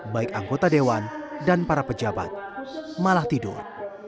baik anggota dewan dan para pejabat malah tidur